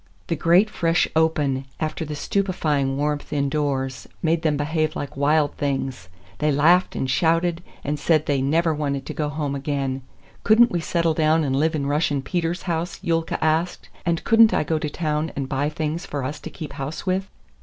The great fresh open, after the stupefying warmth indoors, made them behave like wild things. They laughed and shouted, and said they never wanted to go home again. Could n't we settle down and live in Russian Peter's house, Yulka asked, and could n't I go to town and buy things for us to keep house with?